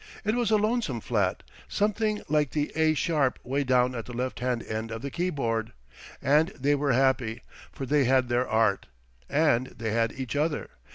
It was a lonesome flat—something like the A sharp way down at the left hand end of the keyboard. And they were happy; for they had their Art, and they had each other.